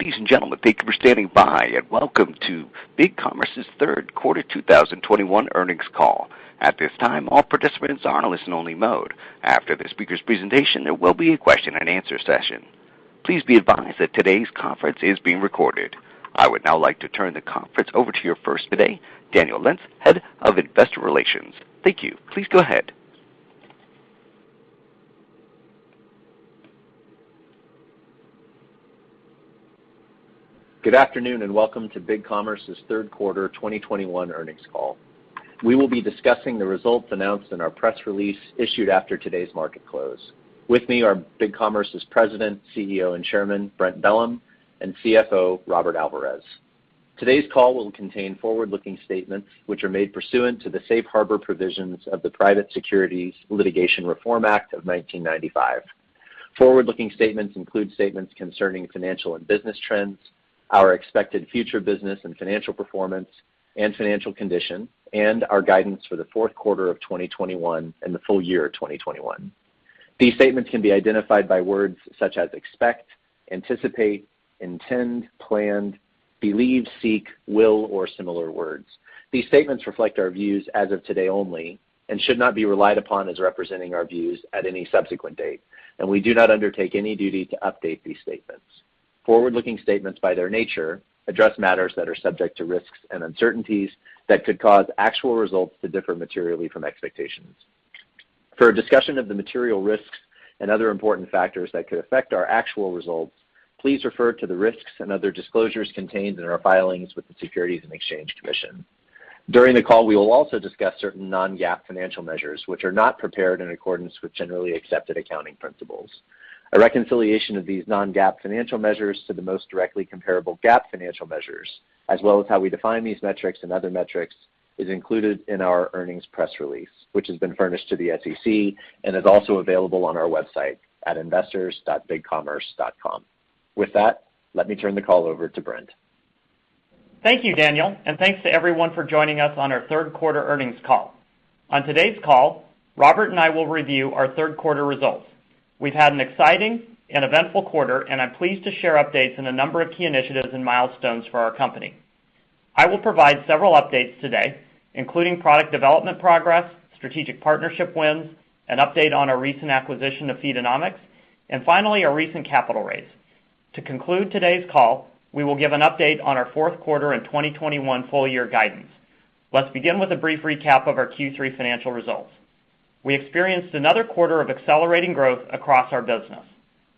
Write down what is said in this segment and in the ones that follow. Ladies and gentlemen, thank you for standing by, and welcome to BigCommerce's third quarter 2021 earnings call. At this time, all participants are in listen-only mode. After the speaker's presentation, there will be a question and answer session. Please be advised that today's conference is being recorded. I would now like to turn the conference over to your host today, Daniel Lentz, Head of Investor Relations. Thank you. Please go ahead. Good afternoon, and welcome to BigCommerce's third quarter 2021 earnings call. We will be discussing the results announced in our press release issued after today's market close. With me are BigCommerce's President, CEO, and Chairman, Brent Bellm, and CFO, Robert Alvarez. Today's call will contain forward-looking statements, which are made pursuant to the safe harbor provisions of the Private Securities Litigation Reform Act of 1995. Forward-looking statements include statements concerning financial and business trends, our expected future business and financial performance and financial condition, and our guidance for the fourth quarter of 2021 and the full year 2021. These statements can be identified by words such as expect, anticipate, intend, planned, believe, seek, will, or similar words. These statements reflect our views as of today only and should not be relied upon as representing our views at any subsequent date, and we do not undertake any duty to update these statements. Forward-looking statements, by their nature, address matters that are subject to risks and uncertainties that could cause actual results to differ materially from expectations. For a discussion of the material risks and other important factors that could affect our actual results, please refer to the risks and other disclosures contained in our filings with the Securities and Exchange Commission. During the call, we will also discuss certain non-GAAP financial measures which are not prepared in accordance with generally accepted accounting principles. A reconciliation of these non-GAAP financial measures to the most directly comparable GAAP financial measures, as well as how we define these metrics and other metrics, is included in our earnings press release, which has been furnished to the SEC and is also available on our website at investors.bigcommerce.com. With that, let me turn the call over to Brent. Thank you, Daniel, and thanks to everyone for joining us on our third quarter earnings call. On today's call, Robert and I will review our third quarter results. We've had an exciting and eventful quarter, and I'm pleased to share updates in a number of key initiatives and milestones for our company. I will provide several updates today, including product development progress, strategic partnership wins, an update on our recent acquisition of Feedonomics, and finally, our recent capital raise. To conclude today's call, we will give an update on our fourth quarter and 2021 full year guidance. Let's begin with a brief recap of our Q3 financial results. We experienced another quarter of accelerating growth across our business.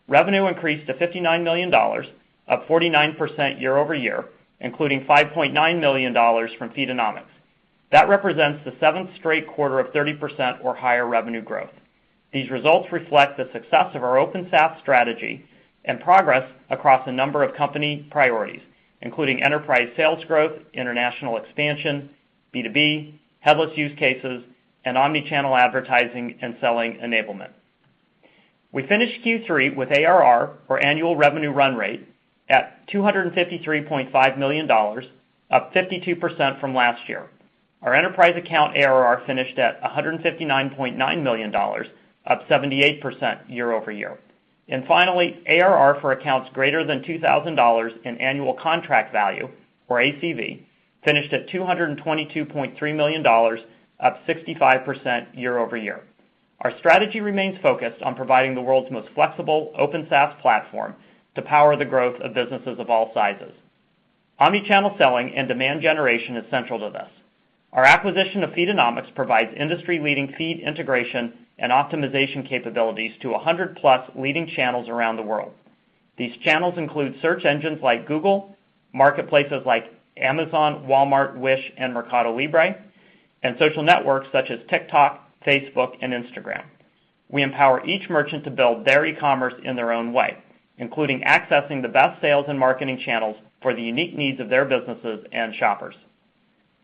Revenue increased to $59 million, up 49% year-over-year, including $5.9 million from Feedonomics. That represents the seventh straight quarter of 30% or higher revenue growth. These results reflect the success of our Open SaaS strategy and progress across a number of company priorities, including enterprise sales growth, international expansion, B2B, headless use cases, and omni-channel advertising and selling enablement. We finished Q3 with ARR, or annual revenue run rate, at $253.5 million, up 52% from last year. Our enterprise account ARR finished at $159.9 million, up 78% year-over-year. ARR for accounts greater than $2,000 in annual contract value, or ACV, finished at $222.3 million, up 65% year-over-year. Our strategy remains focused on providing the world's most flexible Open SaaS platform to power the growth of businesses of all sizes. Omni-channel selling and demand generation is central to this. Our acquisition of Feedonomics provides industry-leading feed integration and optimization capabilities to 100 plus leading channels around the world. These channels include search engines like Google, marketplaces like Amazon, Walmart, Wish, and Mercado Libre, and social networks such as TikTok, Facebook, and Instagram. We empower each merchant to build their e-commerce in their own way, including accessing the best sales and marketing channels for the unique needs of their businesses and shoppers.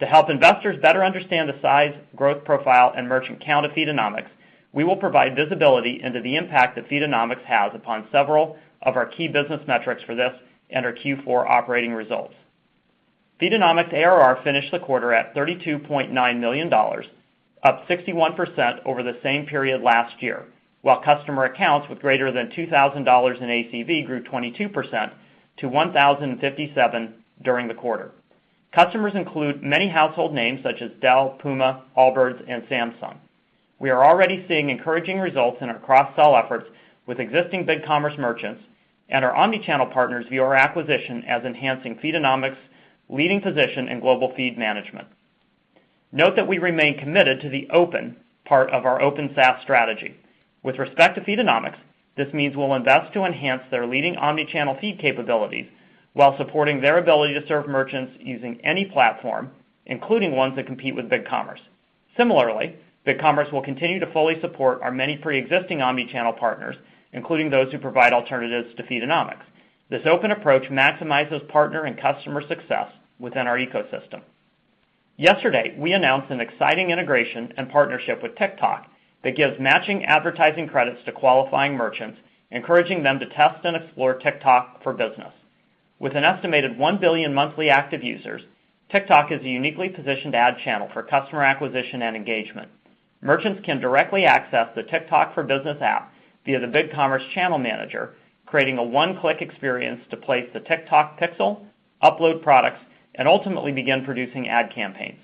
To help investors better understand the size, growth profile, and merchant count of Feedonomics, we will provide visibility into the impact that Feedonomics has upon several of our key business metrics for this and our Q4 operating results. Feedonomics ARR finished the quarter at $32.9 million, up 61% over the same period last year, while customer accounts with greater than $2,000 in ACV grew 22% to 1,057 during the quarter. Customers include many household names such as Dell, Puma, Allbirds, and Samsung. We are already seeing encouraging results in our cross-sell efforts with existing BigCommerce merchants, and our omni-channel partners view our acquisition as enhancing Feedonomics' leading position in global feed management. Note that we remain committed to the open part of our open SaaS strategy. With respect to Feedonomics, this means we'll invest to enhance their leading omni-channel feed capabilities while supporting their ability to serve merchants using any platform, including ones that compete with BigCommerce. Similarly, BigCommerce will continue to fully support our many pre-existing omni-channel partners, including those who provide alternatives to Feedonomics. This open approach maximizes partner and customer success within our ecosystem. Yesterday, we announced an exciting integration and partnership with TikTok that gives matching advertising credits to qualifying merchants, encouraging them to test and explore TikTok for Business. With an estimated 1 billion monthly active users, TikTok is a uniquely positioned ad channel for customer acquisition and engagement. Merchants can directly access the TikTok for Business app via the BigCommerce Channel Manager, creating a one-click experience to place the TikTok pixel, upload products, and ultimately begin producing ad campaigns.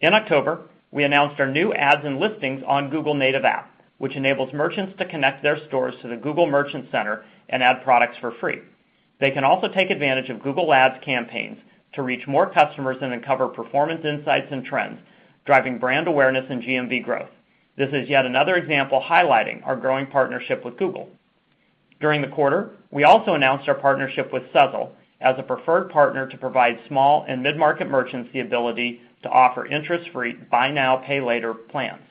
In October, we announced our new ads and listings on Google Native App, which enables merchants to connect their stores to the Google Merchant Center and add products for free. They can also take advantage of Google Ads campaigns to reach more customers and uncover performance insights and trends, driving brand awareness and GMV growth. This is yet another example highlighting our growing partnership with Google. During the quarter, we also announced our partnership with Sezzle as a preferred partner to provide small and mid-market merchants the ability to offer interest-free buy now, pay later plans.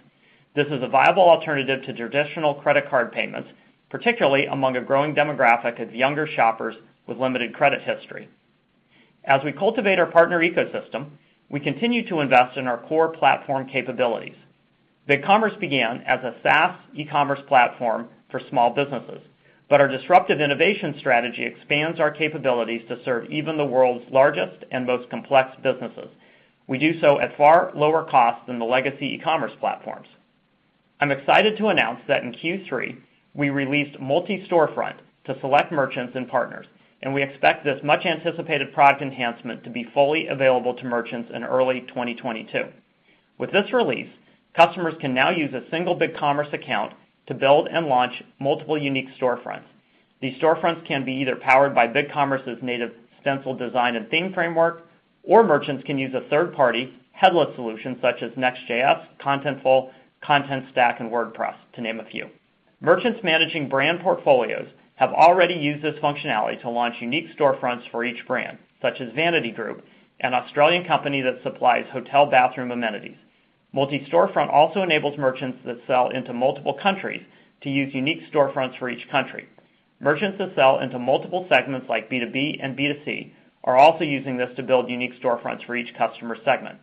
This is a viable alternative to traditional credit card payments, particularly among a growing demographic of younger shoppers with limited credit history. As we cultivate our partner ecosystem, we continue to invest in our core platform capabilities. BigCommerce began as a SaaS e-commerce platform for small businesses, but our disruptive innovation strategy expands our capabilities to serve even the world's largest and most complex businesses. We do so at far lower cost than the legacy e-commerce platforms. I'm excited to announce that in Q3, we released Multi-Storefront to select merchants and partners, and we expect this much-anticipated product enhancement to be fully available to merchants in early 2022. With this release, customers can now use a single BigCommerce account to build and launch multiple unique storefronts. These storefronts can be either powered by BigCommerce's native Stencil design and theme framework, or merchants can use a third-party headless solution such as Next.js, Contentful, Contentstack, and WordPress, to name a few. Merchants managing brand portfolios have already used this functionality to launch unique storefronts for each brand, such as Vanity Group, an Australian company that supplies hotel bathroom amenities. Multi-Storefront also enables merchants that sell into multiple countries to use unique storefronts for each country. Merchants that sell into multiple segments like B2B and B2C are also using this to build unique storefronts for each customer segment.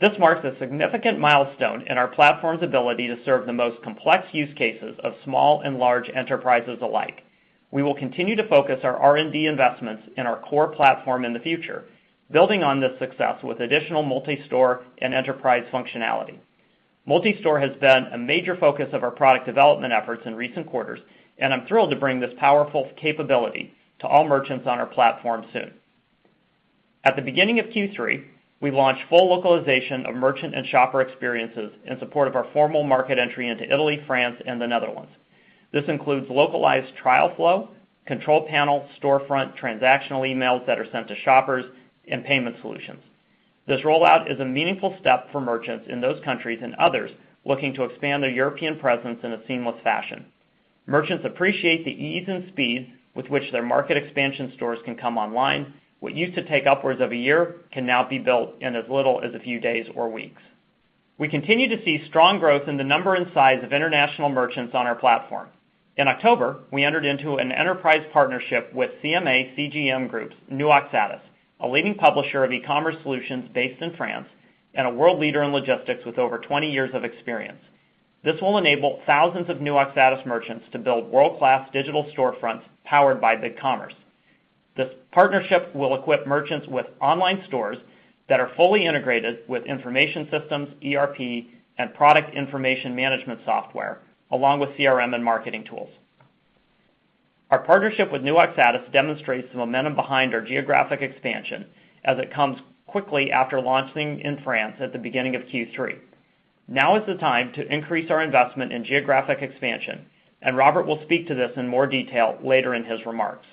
This marks a significant milestone in our platform's ability to serve the most complex use cases of small and large enterprises alike. We will continue to focus our R&D investments in our core platform in the future, building on this success with additional Multi-Storefront and enterprise functionality. Multi-Storefront has been a major focus of our product development efforts in recent quarters, and I'm thrilled to bring this powerful capability to all merchants on our platform soon. At the beginning of Q3, we launched full localization of merchant and shopper experiences in support of our formal market entry into Italy, France, and the Netherlands. This includes localized trial flow, control panel, storefront, transactional emails that are sent to shoppers, and payment solutions. This rollout is a meaningful step for merchants in those countries and others looking to expand their European presence in a seamless fashion. Merchants appreciate the ease and speed with which their market expansion stores can come online. What used to take upwards of a year can now be built in as little as a few days or weeks. We continue to see strong growth in the number and size of international merchants on our platform. In October, we entered into an enterprise partnership with CMA CGM Group's NewOxatis, a leading publisher of e-commerce solutions based in France and a world leader in logistics with over 20 years of experience. This will enable thousands of NewOxatis merchants to build world-class digital storefronts powered by BigCommerce. This partnership will equip merchants with online stores that are fully integrated with information systems, ERP, and product information management software, along with CRM and marketing tools. Our partnership with NewOxatis demonstrates the momentum behind our geographic expansion as it comes quickly after launching in France at the beginning of Q3. Now is the time to increase our investment in geographic expansion, and Robert will speak to this in more detail later in his remarks.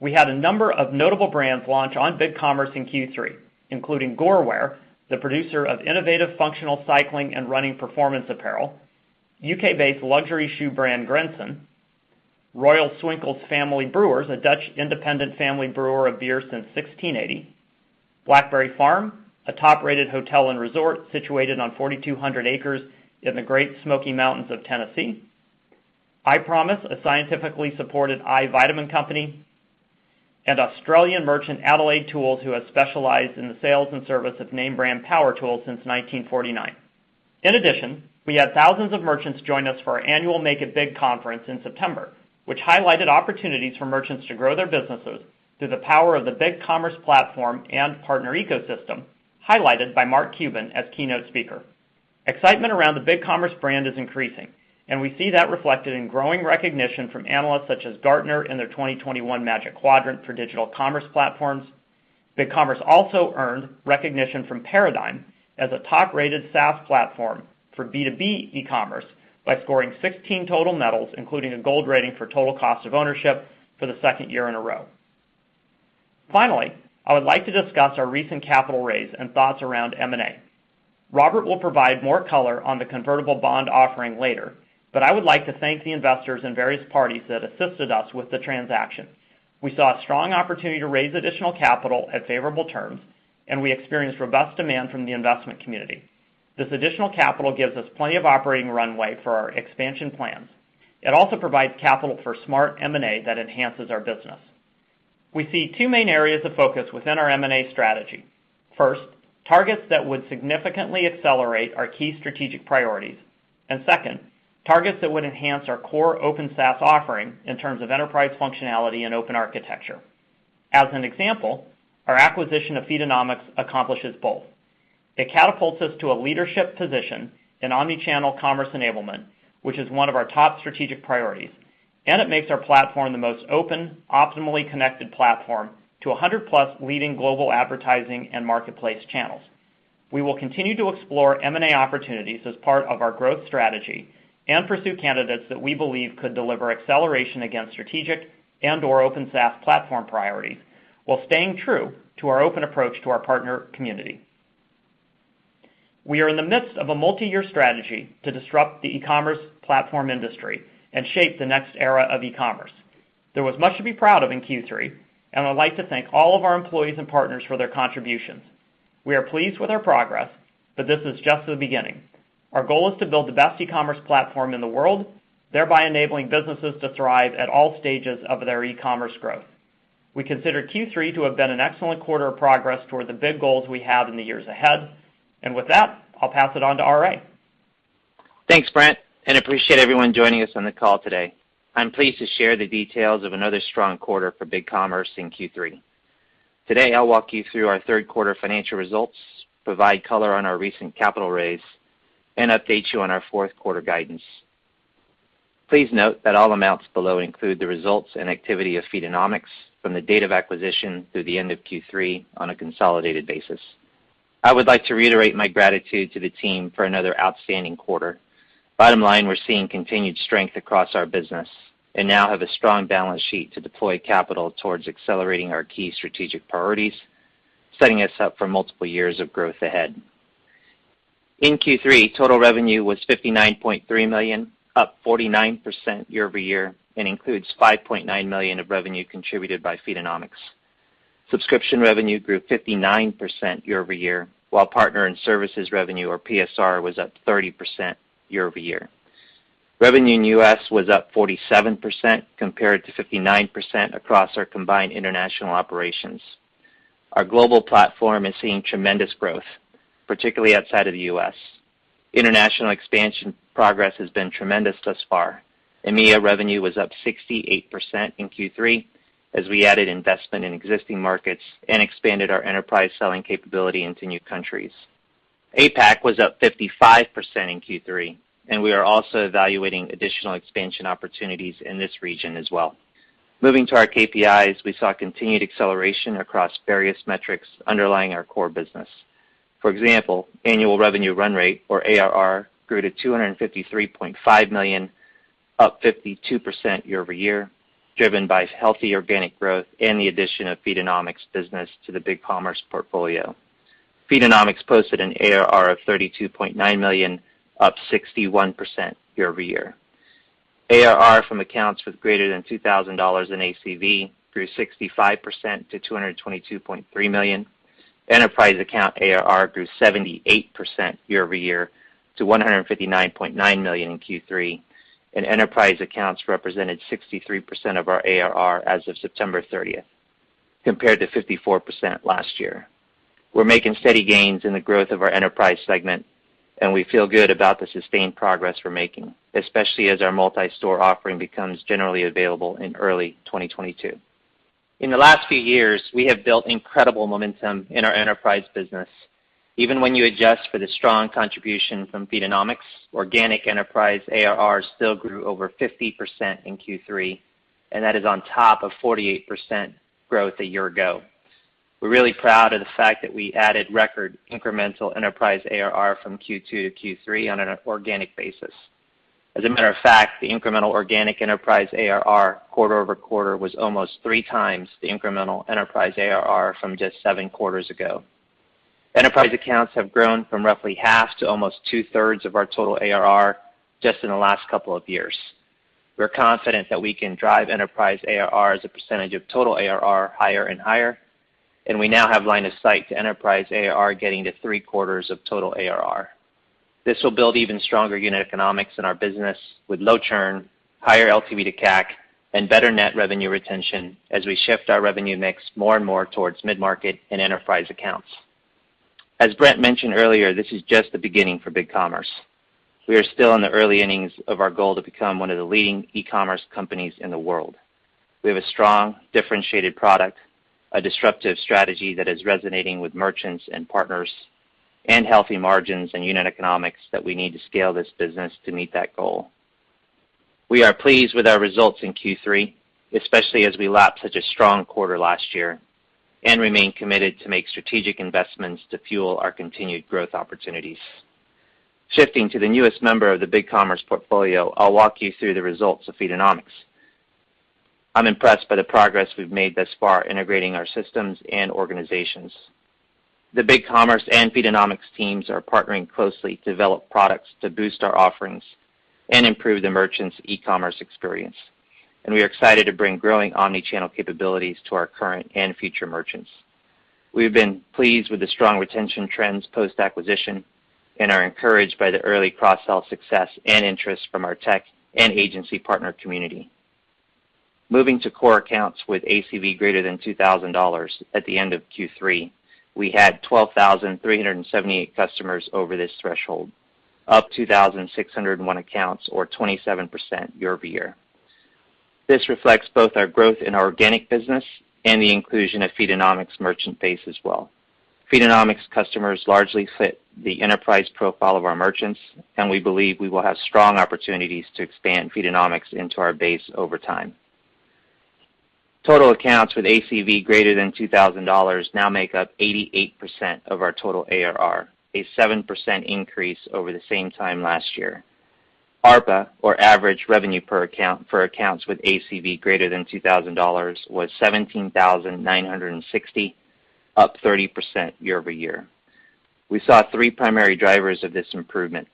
We had a number of notable brands launch on BigCommerce in Q3, including GOREWEAR, the producer of innovative functional cycling and running performance apparel, U.K.-based luxury shoe brand Grenson, Royal Swinkels Family Brewers, a Dutch independent family brewer of beer since 1680, Blackberry Farm, a top-rated hotel and resort situated on 4,200 acres in the Great Smoky Mountains of Tennessee, EyePromise, a scientifically supported eye vitamin company, and Australian merchant Adelaide Tools, who has specialized in the sales and service of name brand power tools since 1949. In addition, we had thousands of merchants join us for our annual Make It Big conference in September, which highlighted opportunities for merchants to grow their businesses through the power of the BigCommerce platform and partner ecosystem, highlighted by Mark Cuban as keynote speaker. Excitement around the BigCommerce brand is increasing, and we see that reflected in growing recognition from analysts such as Gartner in their 2021 Magic Quadrant for digital commerce platforms. BigCommerce also earned recognition from Paradigm as a top-rated SaaS platform for B2B e-commerce by scoring 16 total medals, including a gold rating for total cost of ownership for the second year in a row. Finally, I would like to discuss our recent capital raise and thoughts around M&A. Robert, will provide more color on the convertible bond offering later, but I would like to thank the investors and various parties that assisted us with the transaction. We saw a strong opportunity to raise additional capital at favorable terms, and we experienced robust demand from the investment community. This additional capital gives us plenty of operating runway for our expansion plans. It also provides capital for smart M&A that enhances our business. We see two main areas of focus within our M&A strategy. First, targets that would significantly accelerate our key strategic priorities, and second, targets that would enhance our core open SaaS offering in terms of enterprise functionality and open architecture. As an example, our acquisition of Feedonomics accomplishes both. It catapults us to a leadership position in omni-channel commerce enablement, which is one of our top strategic priorities, and it makes our platform the most open, optimally connected platform to 100+ leading global advertising and marketplace channels. We will continue to explore M&A opportunities as part of our growth strategy and pursue candidates that we believe could deliver acceleration against strategic and/or Open SaaS platform priorities while staying true to our open approach to our partner community. We are in the midst of a multi-year strategy to disrupt the e-commerce platform industry and shape the next era of e-commerce. There was much to be proud of in Q3, and I'd like to thank all of our employees and partners for their contributions. We are pleased with our progress, but this is just the beginning. Our goal is to build the best e-commerce platform in the world, thereby enabling businesses to thrive at all stages of their e-commerce growth. We consider Q3 to have been an excellent quarter of progress toward the big goals we have in the years ahead. With that, I'll pass it on to RA. Thanks, Brent, and appreciate everyone joining us on the call today. I'm pleased to share the details of another strong quarter for BigCommerce in Q3. Today, I'll walk you through our third quarter financial results, provide color on our recent capital raise, and update you on our fourth quarter guidance. Please note that all amounts below include the results and activity of Feedonomics from the date of acquisition through the end of Q3 on a consolidated basis. I would like to reiterate my gratitude to the team for another outstanding quarter. Bottom line, we're seeing continued strength across our business and now have a strong balance sheet to deploy capital towards accelerating our key strategic priorities, setting us up for multiple years of growth ahead. In Q3, total revenue was $59.3 million, up 49% year-over-year, and includes $5.9 million of revenue contributed by Feedonomics. Subscription revenue grew 59% year-over-year, while partner and services revenue, or PSR, was up 30% year-over-year. Revenue in U.S. was up 47% compared to 59% across our combined international operations. Our global platform is seeing tremendous growth, particularly outside of the U.S. International expansion progress has been tremendous thus far. EMEA revenue was up 68% in Q3 as we added investment in existing markets and expanded our enterprise selling capability into new countries. APAC was up 55% in Q3, and we are also evaluating additional expansion opportunities in this region as well. Moving to our KPIs, we saw continued acceleration across various metrics underlying our core business. For example, annual revenue run rate, or ARR, grew to $253.5 million, up 52% year-over-year, driven by healthy organic growth and the addition of Feedonomics business to the BigCommerce portfolio. Feedonomics posted an ARR of $32.9 million, up 61% year-over-year. ARR from accounts with greater than $2,000 in ACV grew 65% to $222.3 million. Enterprise account ARR grew 78% year-over-year to $159.9 million in Q3, and enterprise accounts represented 63% of our ARR as of September 30th, compared to 54% last year. We're making steady gains in the growth of our enterprise segment, and we feel good about the sustained progress we're making, especially as our multi-store offering becomes generally available in early 2022. In the last few years, we have built incredible momentum in our enterprise business. Even when you adjust for the strong contribution from Feedonomics, organic enterprise ARR still grew over 50% in Q3, and that is on top of 48% growth a year ago. We're really proud of the fact that we added record incremental enterprise ARR from Q2 to Q3 on an organic basis. As a matter of fact, the incremental organic enterprise ARR quarter-over-quarter was almost three times the incremental enterprise ARR from just seven quarters ago. Enterprise accounts have grown from roughly half to almost 2/3 of our total ARR just in the last couple of years. We're confident that we can drive enterprise ARR as a percentage of total ARR higher and higher, and we now have line of sight to enterprise ARR getting to three quarters of total ARR. This will build even stronger unit economics in our business with low churn, higher LTV to CAC, and better net revenue retention as we shift our revenue mix more and more towards mid-market and enterprise accounts. As Brent, mentioned earlier, this is just the beginning for BigCommerce. We are still in the early innings of our goal to become one of the leading e-commerce companies in the world. We have a strong, differentiated product, a disruptive strategy that is resonating with merchants and partners, and healthy margins and unit economics that we need to scale this business to meet that goal. We are pleased with our results in Q3, especially as we lap such a strong quarter last year, and remain committed to make strategic investments to fuel our continued growth opportunities. Shifting to the newest member of the BigCommerce portfolio, I'll walk you through the results of Feedonomics. I'm impressed by the progress we've made thus far integrating our systems and organizations. The BigCommerce and Feedonomics teams are partnering closely to develop products to boost our offerings and improve the merchant's e-commerce experience, and we are excited to bring growing omni-channel capabilities to our current and future merchants. We've been pleased with the strong retention trends post-acquisition and are encouraged by the early cross-sell success and interest from our tech and agency partner community. Moving to core accounts with ACV greater than $2,000 at the end of Q3, we had 12,378 customers over this threshold, up 2,601 accounts or 27% year-over-year. This reflects both our growth in our organic business and the inclusion of Feedonomics merchant base as well. Feedonomics customers largely fit the enterprise profile of our merchants, and we believe we will have strong opportunities to expand Feedonomics into our base over time. Total accounts with ACV greater than $2,000 now make up 88% of our total ARR, a 7% increase over the same time last year. ARPA, or Average Revenue Per Account for accounts with ACV greater than $2,000, was $17,960, up 30% year-over-year. We saw three primary drivers of this improvement,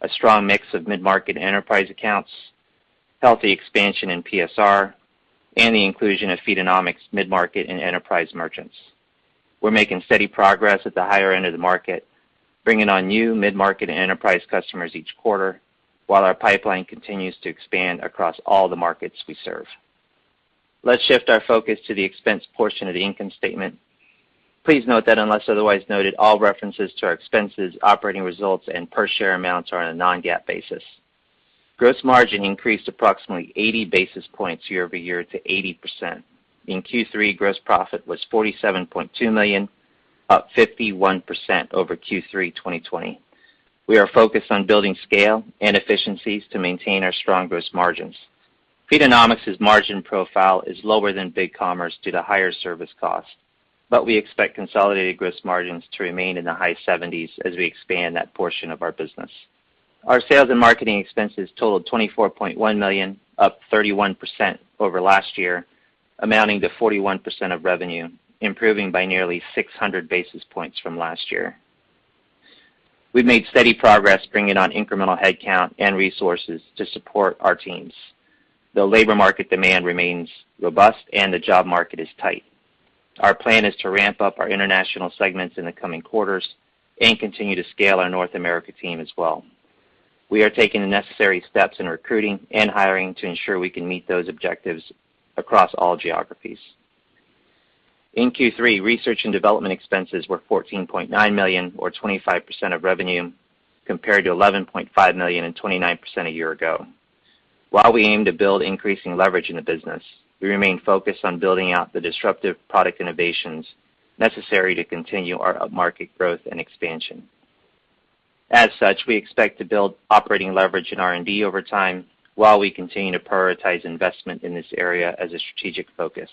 a strong mix of mid-market enterprise accounts, healthy expansion in PSR, and the inclusion of Feedonomics mid-market and enterprise merchants. We're making steady progress at the higher end of the market, bringing on new mid-market enterprise customers each quarter, while our pipeline continues to expand across all the markets we serve. Let's shift our focus to the expense portion of the income statement. Please note that unless otherwise noted, all references to our expenses, operating results, and per share amounts are on a non-GAAP basis. Gross margin increased approximately 80 basis points year-over-year to 80%. In Q3, gross profit was $47.2 million, up 51% over Q3 2020. We are focused on building scale and efficiencies to maintain our strong gross margins. Feedonomics' margin profile is lower than BigCommerce due to higher service costs, but we expect consolidated gross margins to remain in the high 70s% as we expand that portion of our business. Our sales and marketing expenses totaled $24.1 million, up 31% over last year, amounting to 41% of revenue, improving by nearly 600 basis points from last year. We've made steady progress bringing on incremental headcount and resources to support our teams. The labor market demand remains robust and the job market is tight. Our plan is to ramp up our international segments in the coming quarters and continue to scale our North America team as well. We are taking the necessary steps in recruiting and hiring to ensure we can meet those objectives across all geographies. In Q3, research and development expenses were $14.9 million or 25% of revenue, compared to $11.5 million and 29% a year ago. While we aim to build increasing leverage in the business, we remain focused on building out the disruptive product innovations necessary to continue our upmarket growth and expansion. As such, we expect to build operating leverage in R&D over time while we continue to prioritize investment in this area as a strategic focus.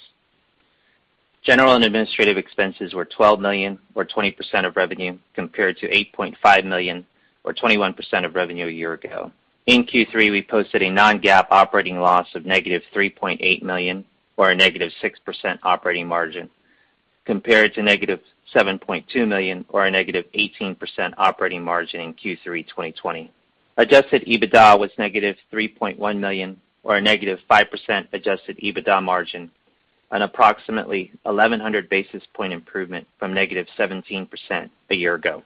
General and administrative expenses were $12 million or 20% of revenue, compared to $8.5 million or 21% of revenue a year ago. In Q3, we posted a non-GAAP operating loss of -$3.8 million or a -6% operating margin, compared to -$7.2 million or a -18% operating margin in Q3 2020. Adjusted EBITDA was -$3.1 million or a -5% adjusted EBITDA margin, an approximately 1,100 basis point improvement from -17% a year ago.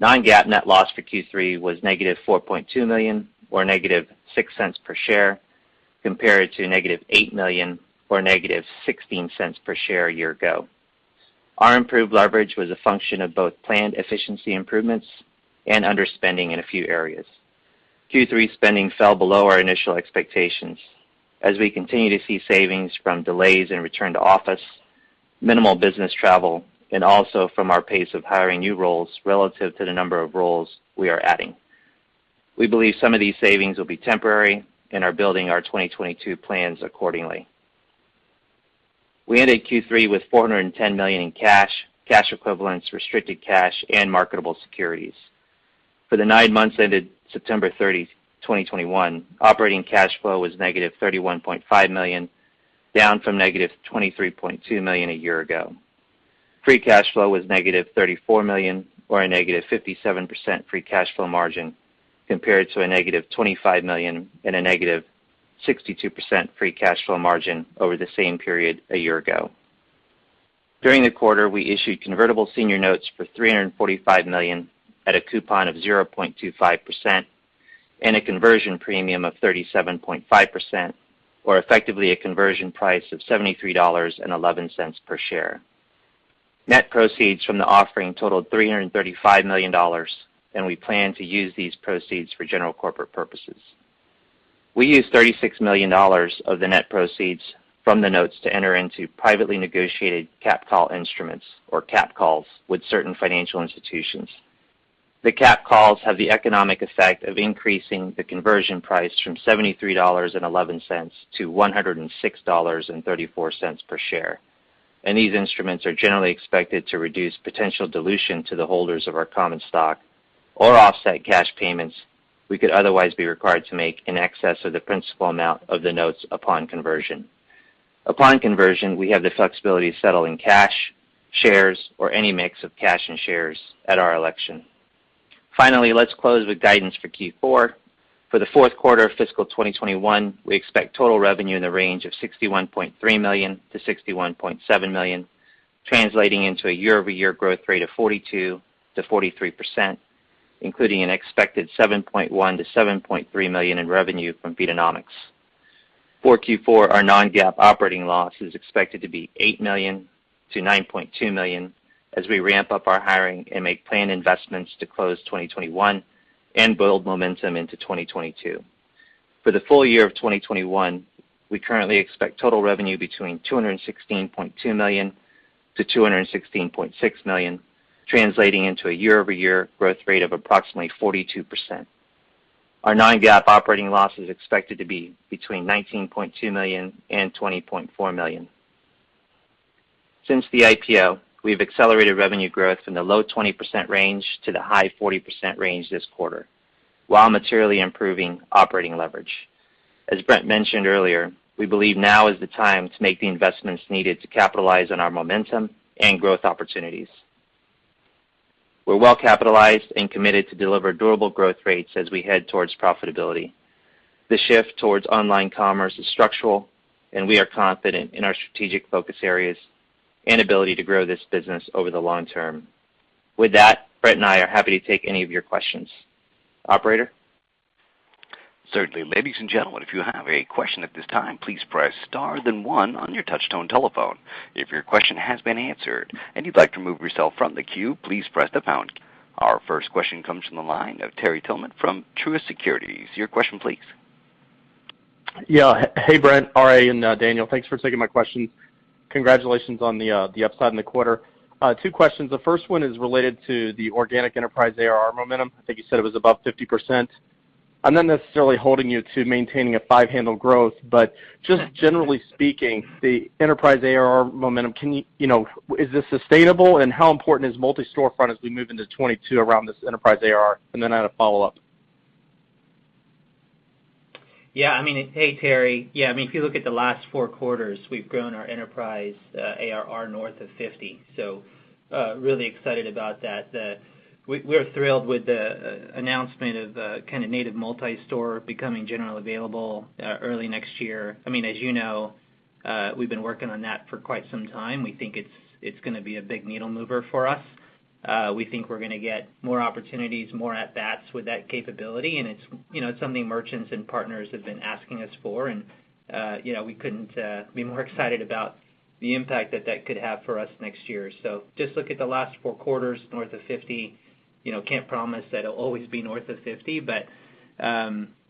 Non-GAAP net loss for Q3 was -$4.2 million or -$0.06 per share, compared to -$8 million or -$0.16 per share a year ago. Our improved leverage was a function of both planned efficiency improvements and underspending in a few areas. Q3 spending fell below our initial expectations as we continue to see savings from delays in return to office, minimal business travel, and also from our pace of hiring new roles relative to the number of roles we are adding. We believe some of these savings will be temporary and are building our 2022 plans accordingly. We ended Q3 with $410 million in cash equivalents, restricted cash, and marketable securities. For the nine months ended September 30, 2021, operating cash flow was -$31.5 million, down from -$23.2 million a year ago. Free cash flow was -$34 million or a -57% free cash flow margin compared to -$25 million and a -62% free cash flow margin over the same period a year ago. During the quarter, we issued convertible senior notes for $345 million at a coupon of 0.25% and a conversion premium of 37.5%, or effectively a conversion price of $73.11 per share. Net proceeds from the offering totaled $335 million, and we plan to use these proceeds for general corporate purposes. We used $36 million of the net proceeds from the notes to enter into privately negotiated capped call instruments or cap calls with certain financial institutions. The cap calls have the economic effect of increasing the conversion price from $73.11-$106.34 per share. These instruments are generally expected to reduce potential dilution to the holders of our common stock or offset cash payments we could otherwise be required to make in excess of the principal amount of the notes upon conversion. Upon conversion, we have the flexibility to settle in cash, shares, or any mix of cash and shares at our election. Finally, let's close with guidance for Q4. For the fourth quarter of fiscal 2021, we expect total revenue in the range of $61.3 million-$61.7 million. Translating into a year-over-year growth rate of 42%-43%, including an expected $7.1 million-$7.3 million in revenue from Feedonomics. For Q4, our non-GAAP operating loss is expected to be $8 million-$9.2 million as we ramp up our hiring and make planned investments to close 2021 and build momentum into 2022. For the full year of 2021, we currently expect total revenue between $216.2 million to $216.6 million, translating into a year-over-year growth rate of approximately 42%. Our non-GAAP operating loss is expected to be between $19.2 million and $20.4 million. Since the IPO, we've accelerated revenue growth from the low 20% range to the high 40% range this quarter, while materially improving operating leverage. As Brent, mentioned earlier, we believe now is the time to make the investments needed to capitalize on our momentum and growth opportunities. We're well capitalized and committed to deliver durable growth rates as we head towards profitability. The shift towards online commerce is structural, and we are confident in our strategic focus areas and ability to grow this business over the long term. With that, Brent and I are happy to take any of your questions. Operator? Certainly. Ladies and gentlemen, if you have a question at this time, please press star then one on your touch tone telephone. If your question has been answered and you'd like to remove yourself from the queue, please press the pound key. Our first question comes from the line of Terry Tillman from Truist Securities. Your question please. Hey, Brent, RA, and Daniel. Thanks for taking my question. Congratulations on the upside in the quarter. Two questions. The first one is related to the organic enterprise ARR momentum. I think you said it was above 50%. I'm not necessarily holding you to maintaining a five-handle growth, but just generally speaking, the enterprise ARR momentum, can you know, is this sustainable, and how important is Multi-Storefront as we move into 2022 around this enterprise ARR? Then I had a follow-up. Yeah, I mean, Hey, Terry. Yeah, I mean, if you look at the last four quarters, we've grown our enterprise ARR north of 50. So, really excited about that. We're thrilled with the announcement of kinda native Multi-Storefront becoming generally available early next year. I mean, as you know, we've been working on that for quite some time. We think it's gonna be a big needle mover for us. We think we're gonna get more opportunities, more at bats with that capability, and it's, you know, something merchants and partners have been asking us for. You know, we couldn't be more excited about the impact that could have for us next year. So just look at the last four quarters, north of 50. You know, can't promise that it'll always be north of 50.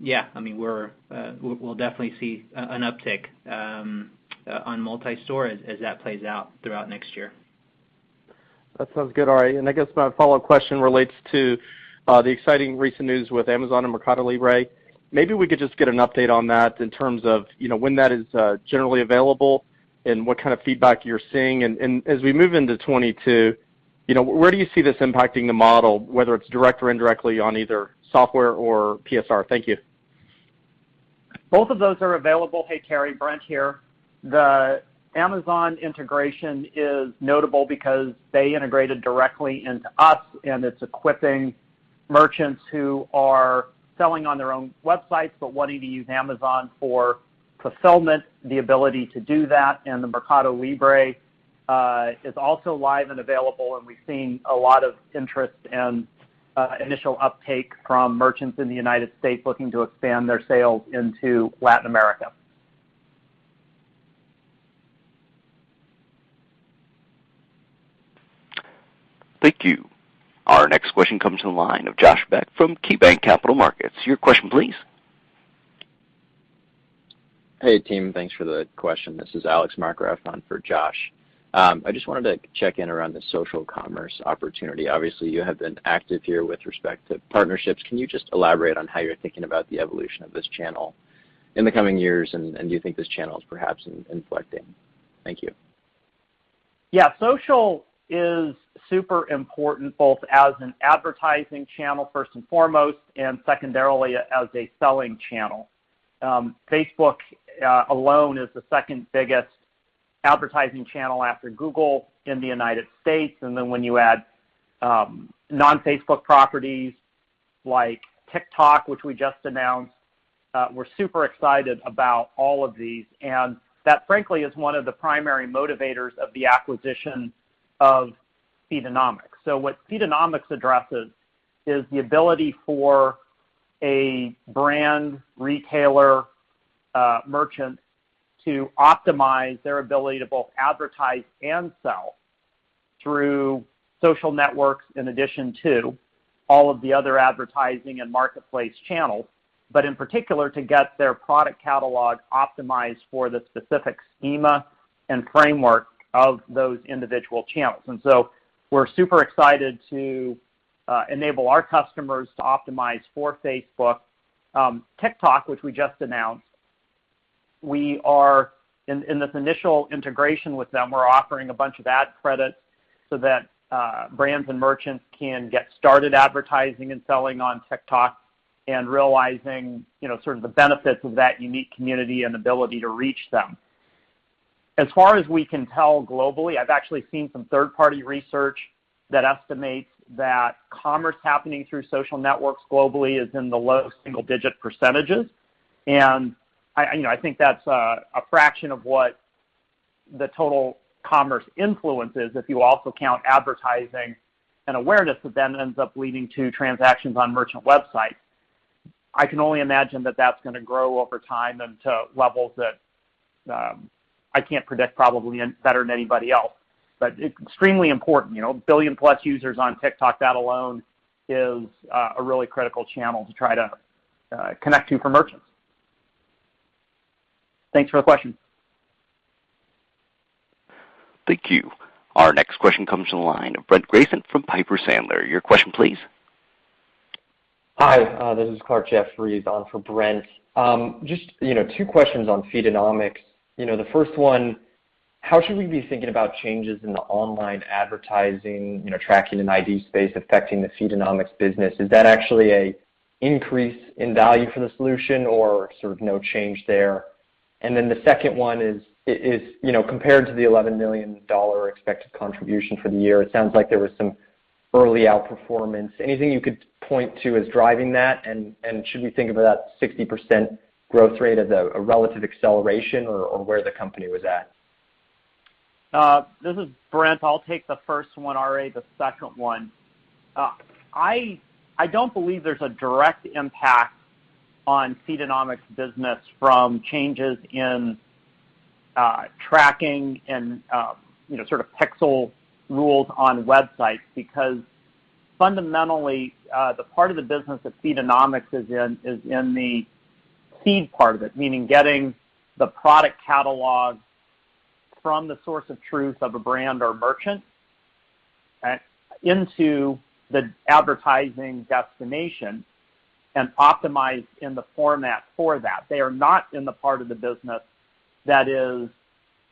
Yeah, I mean, we'll definitely see an uptick on multi-store as that plays out throughout next year. That sounds good, RA. I guess my follow-up question relates to the exciting recent news with Amazon and Mercado Libre. Maybe we could just get an update on that in terms of, you know, when that is generally available and what kind of feedback you're seeing. As we move into 2022, you know, where do you see this impacting the model, whether it's direct or indirectly on either software or PSR? Thank you. Both of those are available. Hey, Terry, Brent here. The Amazon integration is notable because they integrated directly into us, and it's equipping merchants who are selling on their own websites but wanting to use Amazon for fulfillment, the ability to do that. The Mercado Libre, is also live and available, and we've seen a lot of interest and initial uptake from merchants in the United States looking to expand their sales into Latin America. Thank you. Our next question comes from the line of Josh Beck from KeyBanc Capital Markets. Your question, please. Hey, team. Thanks for the question. This is Alex Markgraff on for Josh. I just wanted to check in around the social commerce opportunity. Obviously, you have been active here with respect to partnerships. Can you just elaborate on how you're thinking about the evolution of this channel in the coming years, and do you think this channel is perhaps inflecting? Thank you. Yeah. Social is super important, both as an advertising channel, first and foremost, and secondarily, as a selling channel. Facebook alone is the second biggest advertising channel after Google in the United States. Then when you add non-Facebook properties like TikTok, which we just announced, we're super excited about all of these. That, frankly, is one of the primary motivators of the acquisition of Feedonomics. What Feedonomics addresses is the ability for a brand, retailer, merchant to optimize their ability to both advertise and sell through social networks, in addition to all of the other advertising and marketplace channels. In particular, to get their product catalog optimized for the specific schema and framework of those individual channels. We're super excited to enable our customers to optimize for Facebook. TikTok, which we just announced, we are in this initial integration with them, we're offering a bunch of ad credits so that brands and merchants can get started advertising and selling on TikTok and realizing, you know, sort of the benefits of that unique community and ability to reach them. As far as we can tell globally, I've actually seen some third-party research that estimates that commerce happening through social networks globally is in the low single-digit percentages. I, you know, I think that's a fraction of what the total commerce influence is if you also count advertising and awareness that then ends up leading to transactions on merchant websites. I can only imagine that that's gonna grow over time into levels that I can't predict probably any better than anybody else. It's extremely important, you know. 1 billion plus users on TikTok, that alone is a really critical channel to try to connect to for merchants. Thanks for the question. Thank you. Our next question comes from the line of Brent Bracelin from Piper Sandler. Your question please. Hi, this is Clarke Jeffries on for Brent. Just, you know, two questions on Feedonomics. You know, the first one, how should we be thinking about changes in the online advertising, you know, tracking and ID space affecting the Feedonomics business? Is that actually an increase in value for the solution or sort of no change there? And then the second one is, you know, compared to the $11 million expected contribution for the year, it sounds like there was some early outperformance. Anything you could point to as driving that? And should we think of that 60% growth rate as a relative acceleration or where the company was at? This is Brent. I'll take the first one, RA, the second one. I don't believe there's a direct impact on Feedonomics business from changes in tracking and, you know, sort of pixel rules on websites. Because fundamentally, the part of the business that Feedonomics is in is in the feed part of it, meaning getting the product catalog from the source of truth of a brand or merchant and into the advertising destination and optimized in the format for that. They are not in the part of the business that is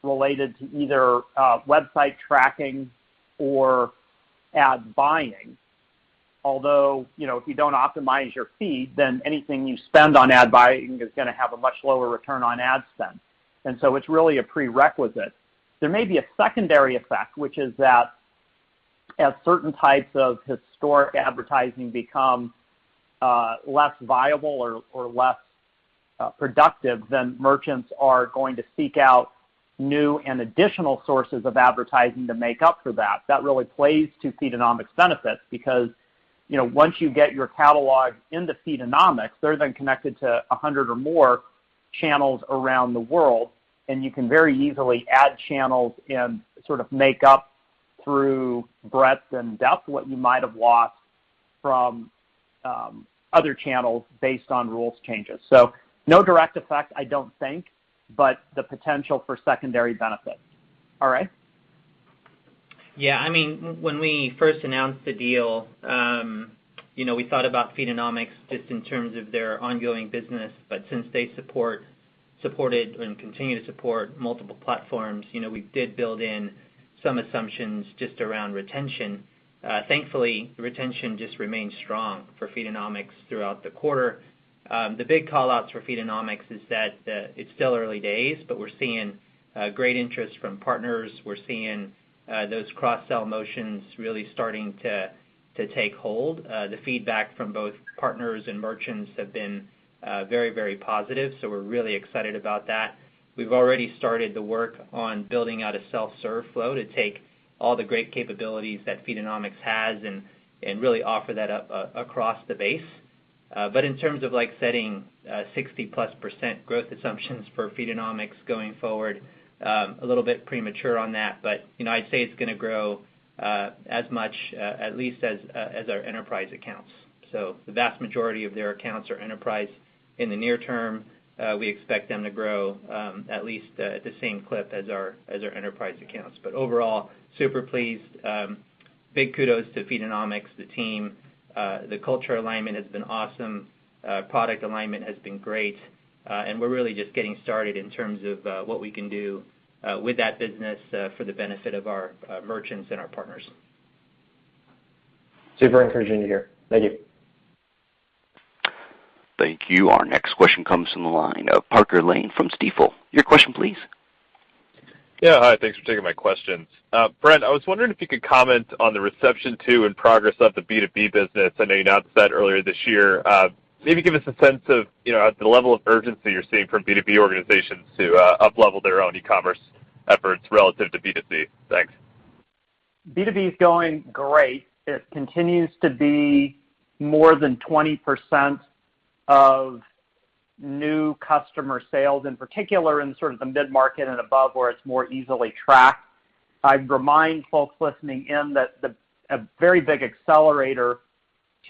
related to either website tracking or ad buying. Although, you know, if you don't optimize your feed, then anything you spend on ad buying is gonna have a much lower return on ad spend. It's really a prerequisite. There may be a secondary effect, which is that as certain types of historic advertising become less viable or less productive, then merchants are going to seek out new and additional sources of advertising to make up for that. That really plays to Feedonomics benefits because, you know, once you get your catalog into Feedonomics, they're then connected to 100 or more channels around the world, and you can very easily add channels and sort of make up through breadth and depth what you might have lost from other channels based on rules changes. So no direct effect, I don't think, but the potential for secondary benefits. RA? Yeah, I mean, when we first announced the deal, you know, we thought about Feedonomics just in terms of their ongoing business, but since they supported and continue to support multiple platforms, you know, we did build in some assumptions just around retention. Thankfully, retention just remained strong for Feedonomics throughout the quarter. The big call-outs for Feedonomics is that it's still early days, but we're seeing great interest from partners. We're seeing those cross-sell motions really starting to take hold. The feedback from both partners and merchants have been very, very positive, so we're really excited about that. We've already started the work on building out a self-serve flow to take all the great capabilities that Feedonomics has and really offer that up across the base. In terms of like setting 60%+ growth assumptions for Feedonomics going forward, a little bit premature on that. You know, I'd say it's gonna grow as much at least as our enterprise accounts. The vast majority of their accounts are enterprise in the near term. We expect them to grow at least at the same clip as our enterprise accounts. Overall, super pleased. Big kudos to Feedonomics, the team. The culture alignment has been awesome. Product alignment has been great. We're really just getting started in terms of what we can do with that business for the benefit of our merchants and our partners. Super encouraging to hear. Thank you. Thank you. Our next question comes from the line of Parker Lane from Stifel. Your question please. Yeah. Hi. Thanks for taking my questions. Brent, I was wondering if you could comment on the reception to and progress of the B2B business. I know you announced that earlier this year. Maybe give us a sense of, you know, the level of urgency you're seeing from B2B organizations to uplevel their own e-commerce efforts relative to B2C. Thanks. B2B is going great. It continues to be more than 20% of new customer sales, in particular in sort of the mid-market and above where it's more easily tracked. I'd remind folks listening in that a very big accelerator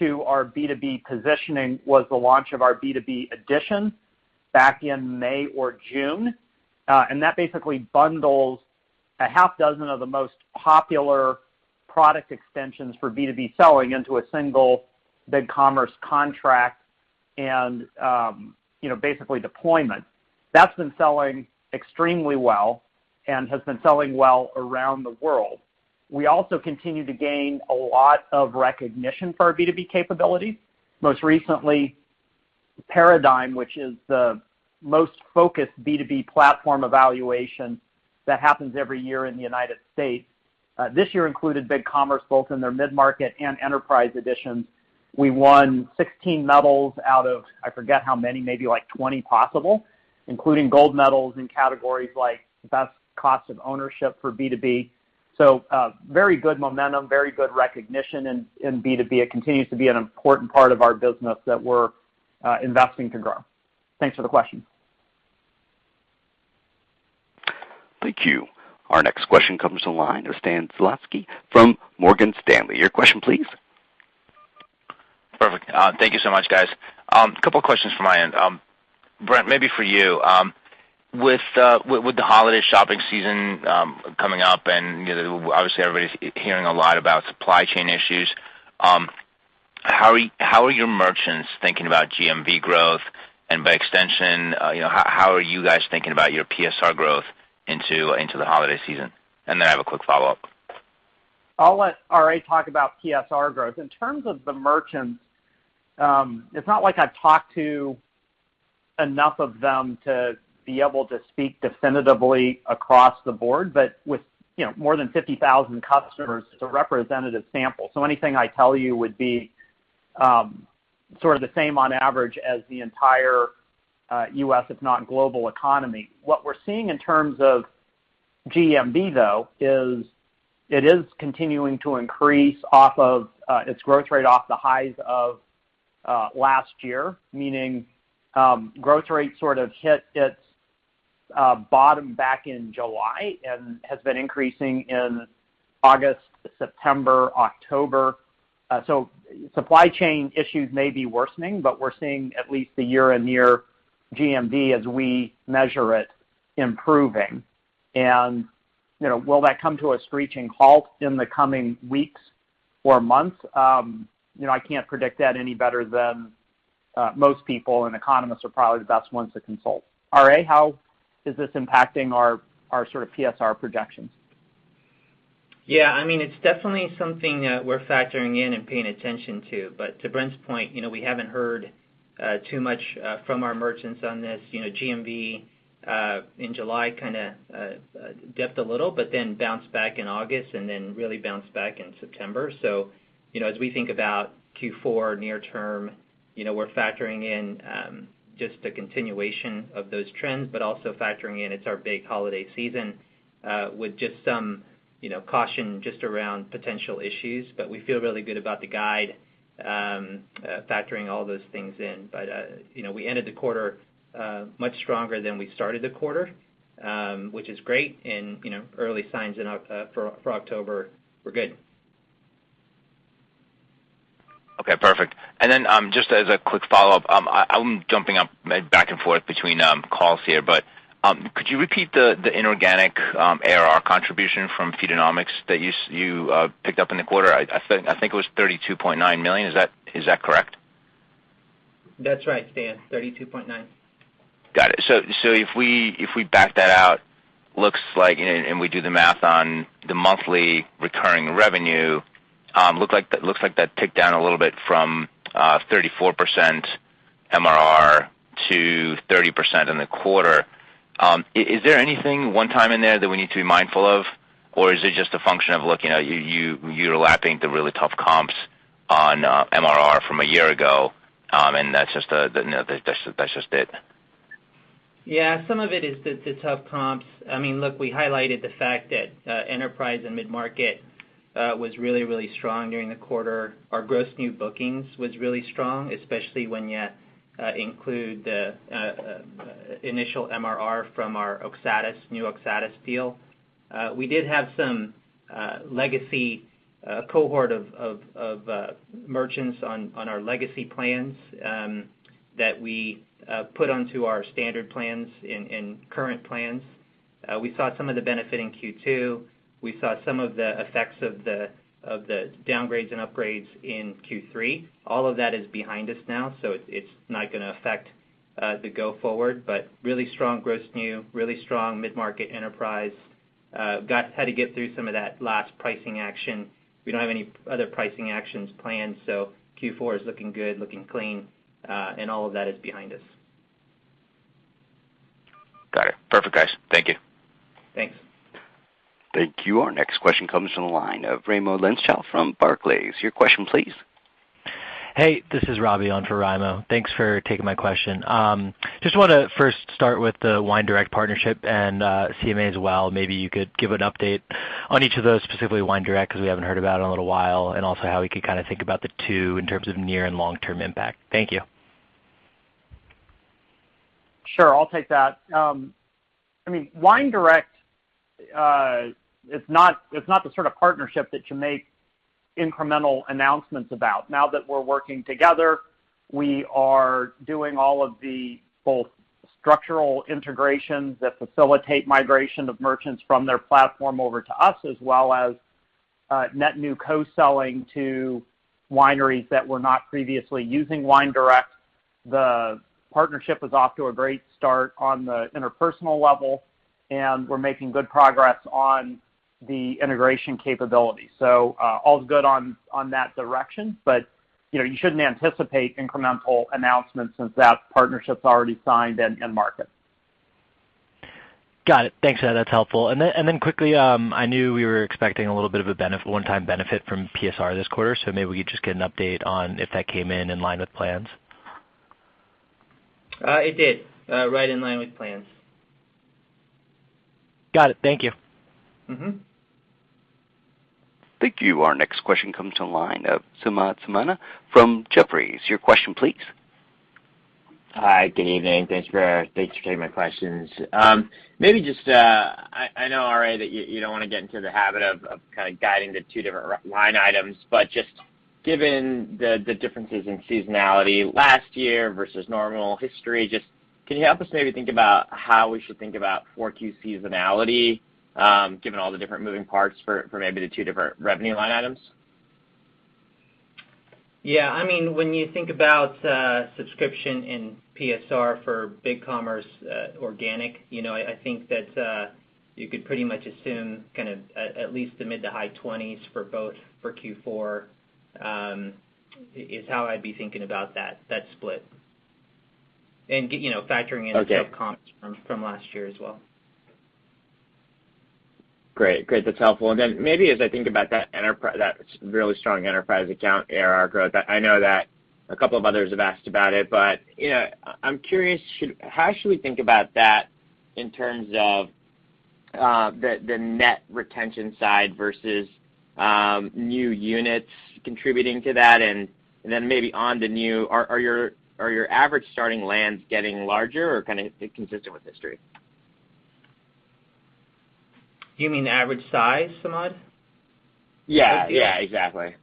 to our B2B positioning was the launch of our B2B Edition back in May or June. That basically bundles a half dozen of the most popular product extensions for B2B selling into a single BigCommerce contract and, you know, basically deployment. That's been selling extremely well and has been selling well around the world. We also continue to gain a lot of recognition for our B2B capabilities. Most recently, Paradigm, which is the most focused B2B platform evaluation that happens every year in the United States. This year included BigCommerce, both in their mid-market and enterprise editions. We won 16 medals out of, I forget how many, maybe like 20 possible, including gold medals in categories like Best Cost of Ownership for B2B. Very good momentum, very good recognition in B2B. It continues to be an important part of our business that we're investing to grow. Thanks for the question. Thank you. Our next question comes to the line of Stan Zlotsky from Morgan Stanley. Your question please. Perfect. Thank you so much, guys. A couple of questions from my end. Brent, maybe for you. With the holiday shopping season coming up, and you know, obviously everybody's hearing a lot about supply chain issues, how are your merchants thinking about GMV growth? And by extension, you know, how are you guys thinking about your PSR growth into the holiday season? And then I have a quick follow-up. I'll let RA, talk about PSR growth. In terms of the merchants, it's not like I've talked to enough of them to be able to speak definitively across the board. With, you know, more than 50,000 customers, it's a representative sample. Anything I tell you would be sort of the same on average as the entire U.S., if not global economy. What we're seeing in terms of GMV, though, is continuing to increase off of its growth rate off the highs of last year, meaning growth rate sort of hit its bottom back in July and has been increasing in August, September, October. Supply chain issues may be worsening, but we're seeing at least the year-on-year GMV as we measure it improving. You know, will that come to a screeching halt in the coming weeks or months? You know, I can't predict that any better than most people, and economists are probably the best ones to consult. RA, how is this impacting our sort of PSR projections? Yeah, I mean, it's definitely something we're factoring in and paying attention to. To Brent's point, you know, we haven't heard too much from our merchants on this. You know, GMV in July kinda dipped a little, but then bounced back in August and then really bounced back in September. You know, as we think about Q4 near term, you know, we're factoring in just the continuation of those trends, but also factoring in it's our big holiday season with just some, you know, caution just around potential issues. We feel really good about the guide, factoring all those things in. You know, we ended the quarter much stronger than we started the quarter, which is great. You know, early signs in October were good. Okay, perfect. Just as a quick follow-up, I'm jumping back and forth between calls here, but could you repeat the inorganic ARR contribution from Feedonomics that you picked up in the quarter? I think it was $32.9 million. Is that correct? That's right, Stan, 32.9. Got it. If we back that out, looks like and we do the math on the monthly recurring revenue, looks like that ticked down a little bit from 34% MRR to 30% in the quarter. Is there anything one-time in there that we need to be mindful of, or is it just a function of looking at you're lapping the really tough comps on MRR from a year ago, and that's just it? Yeah, some of it is the tough comps. I mean, look, we highlighted the fact that enterprise and mid-market was really strong during the quarter. Our gross new bookings was really strong, especially when you include the initial MRR from our Oxatis, NewOxatis deal. We did have some legacy cohort of merchants on our legacy plans that we put onto our standard plans and current plans. We saw some of the benefit in Q2. We saw some of the effects of the downgrades and upgrades in Q3. All of that is behind us now, so it's not gonna affect the go forward. But really strong gross new, really strong mid-market enterprise. Had to get through some of that last pricing action. We don't have any other pricing actions planned, so Q4 is looking good, looking clean, and all of that is behind us. Got it. Perfect, guys. Thank you. Thanks. Thank you. Our next question comes from the line of Raimo Lenschow from Barclays. Your question please. Hey, this is Robbie on for Raimo. Thanks for taking my question. Just wanna first start with the WineDirect partnership and CMA as well. Maybe you could give an update on each of those, specifically WineDirect, because we haven't heard about it in a little while, and also how we could kinda think about the two in terms of near and long-term impact. Thank you. Sure. I'll take that. I mean, WineDirect is not the sort of partnership that you make incremental announcements about. Now that we're working together, we are doing all of the both structural integrations that facilitate migration of merchants from their platform over to us, as well as net new co-selling to wineries that were not previously using WineDirect. The partnership is off to a great start on the interpersonal level, and we're making good progress on the integration capability. All's good on that direction, but you know, you shouldn't anticipate incremental announcements since that partnership's already signed and in market. Got it. Thanks, and that's helpful. Quickly, I knew we were expecting a little bit of a one-time benefit from PSR this quarter, so maybe we could just get an update on if that came in in line with plans. It did, right in line with plans. Got it. Thank you. Mm-hmm. Thank you. Our next question comes from the line of Samad Samana from Jefferies. Your question please. Hi, good evening. Thanks for taking my questions. Maybe just I know already that you don't wanna get into the habit of kinda guiding the two different revenue line items, but just given the differences in seasonality last year versus normal history, just can you help us maybe think about how we should think about 4Q seasonality, given all the different moving parts for maybe the two different revenue line items? Yeah. I mean, when you think about subscription and PSR for BigCommerce, organic, you know, I think that you could pretty much assume kind of at least the mid to high 20s for both for Q4, is how I'd be thinking about that split. You know, factoring in. Okay The comps from last year as well. Great. Great, that's helpful. Then maybe as I think about that really strong enterprise account ARR growth, I know that a couple of others have asked about it, but you know, I'm curious. How should we think about that in terms of the net retention side versus new units contributing to that? Then maybe on the new, are your average starting lands getting larger or kinda consistent with history? You mean average size, Samad? Yeah. Yeah, exactly.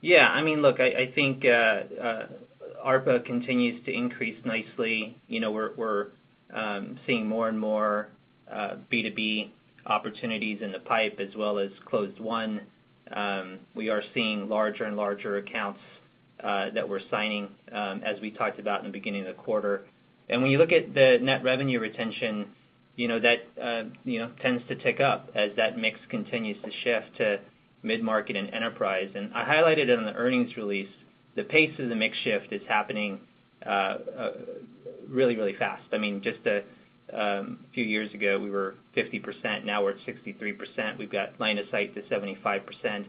Yeah. I mean, look, I think ARPA continues to increase nicely. You know, we're seeing more and more B2B opportunities in the pipe as well as closed one. We are seeing larger and larger accounts that we're signing as we talked about in the beginning of the quarter. When you look at the net revenue retention, you know, that tends to tick up as that mix continues to shift to mid-market and enterprise. I highlighted in the earnings release, the pace of the mix shift is happening really, really fast. I mean, just a few years ago, we were 50%, now we're at 63%. We've got line of sight to 75%,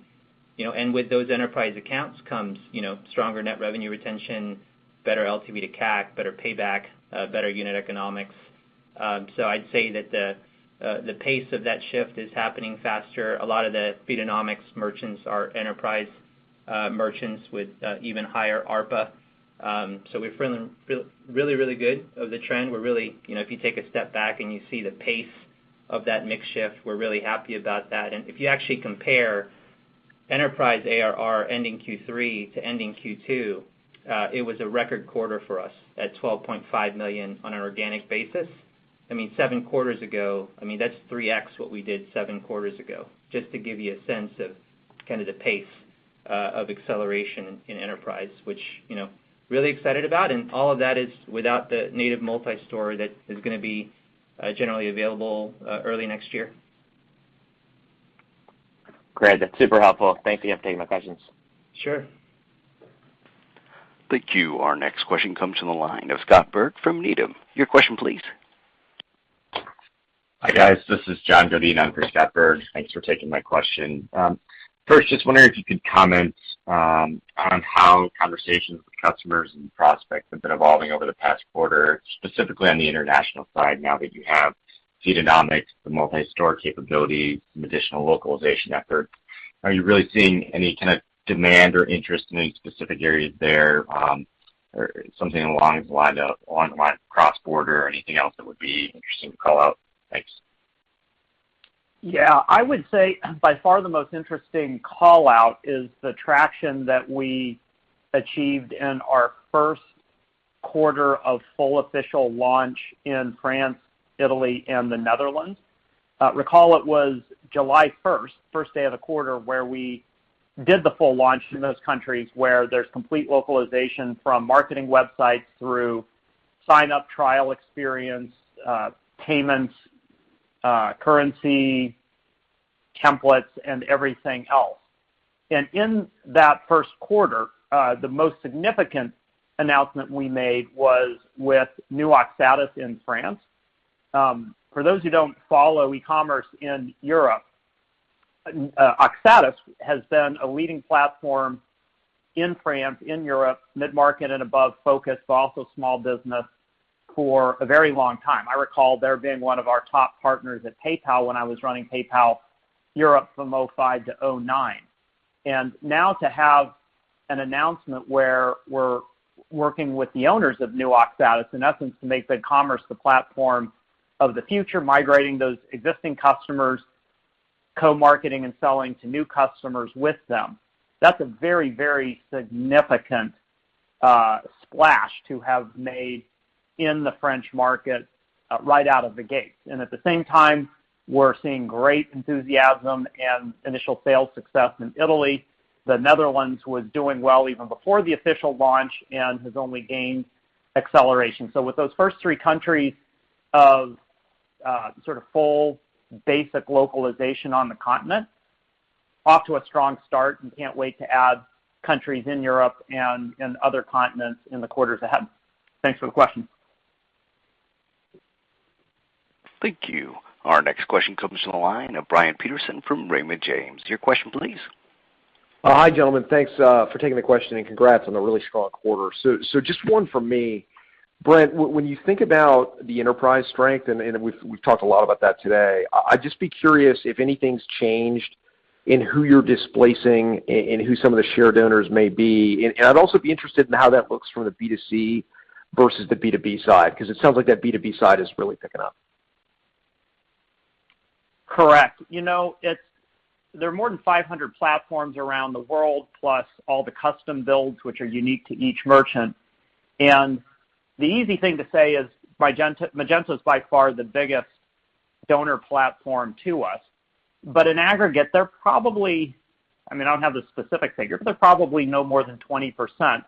you know. With those enterprise accounts comes, you know, stronger net revenue retention, better LTV to CAC, better payback, better unit economics. I'd say that the pace of that shift is happening faster. A lot of the Feedonomics merchants are enterprise merchants with even higher ARPA. We're feeling really, really good about the trend. You know, if you take a step back and you see the pace of that mix shift, we're really happy about that. If you actually compare enterprise ARR ending Q3 to ending Q2, it was a record quarter for us at $12.5 million on an organic basis. I mean, seven quarters ago, that's 3x what we did seven quarters ago, just to give you a sense of kind of the pace of acceleration in enterprise, which you know, really excited about. All of that is without the native Multi-Storefront that is gonna be generally available early next year. Great. That's super helpful. Thank you for taking my questions. Sure. Thank you. Our next question comes from the line of Scott Berg from Needham. Your question please. Hi, guys. This is John Godin. I'm for Scott Berg. Thanks for taking my question. First, just wondering if you could comment on how conversations with customers and prospects have been evolving over the past quarter, specifically on the international side now that you have Feedonomics, the multi-store capability, some additional localization efforts. Are you really seeing any kind of demand or interest in any specific areas there, or something along those lines of online cross-border or anything else that would be interesting to call out? Thanks. Yeah. I would say by far the most interesting call-out is the traction that we achieved in our first quarter of full official launch in France, Italy, and the Netherlands. Recall it was July first day of the quarter, where we did the full launch in those countries, where there's complete localization from marketing websites through sign-up trial experience, payments, currency templates, and everything else. In that first quarter, the most significant announcement we made was with NewOxatis in France. For those who don't follow e-commerce in Europe, NewOxatis has been a leading platform in France, in Europe, mid-market and above focus, but also small business for a very long time. I recall there being one of our top partners at PayPal when I was running PayPal Europe from 2005 to 2009. Now to have an announcement where we're working with the owners of NewOxatis, in essence, to make BigCommerce the platform of the future, migrating those existing customers, co-marketing and selling to new customers with them, that's a very, very significant splash to have made in the French market, right out of the gate. At the same time, we're seeing great enthusiasm and initial sales success in Italy. The Netherlands was doing well even before the official launch and has only gained acceleration. With those first three countries of sort of full basic localization on the continent. Off to a strong start and can't wait to add countries in Europe and other continents in the quarters ahead. Thanks for the question. Thank you. Our next question comes from the line of Brian Peterson from Raymond James. Your question please. Hi, gentlemen. Thanks for taking the question, and congrats on a really strong quarter. Just one for me. Brent, when you think about the enterprise strength, and we've talked a lot about that today, I'd just be curious if anything's changed in who you're displacing and who some of the shared owners may be. I'd also be interested in how that looks from the B2C versus the B2B side, 'cause it sounds like that B2B side is really picking up. Correct. You know, there are more than 500 platforms around the world, plus all the custom builds, which are unique to each merchant. The easy thing to say is Magento is by far the biggest donor platform to us. In aggregate, they're probably, I mean, I don't have the specific figure, but they're probably no more than 20%